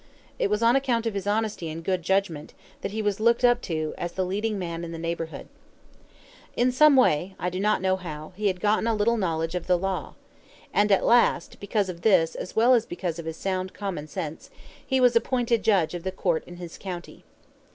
It was on account of his honesty and good judgment that he was looked up to as the leading man in the neighborhood. In some way, I do not know how, he had gotten a little knowledge of the law. And at last, because of this as well as because of his sound common sense, he was appointed judge of the court in his county.